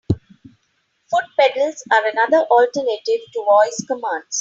Foot pedals are another alternative to voice commands.